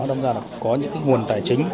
đóng ra là có những nguồn tài chính